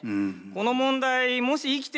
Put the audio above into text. この問題もし生き